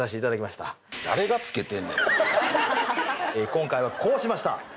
今回はこうしました。